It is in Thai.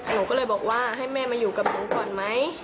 หนูก็เลยบอกว่าให้แม่มาอยู่กับหนูก่อนไหม